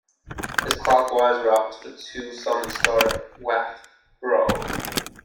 His clockwise route to the two summits starts at Wath Brow.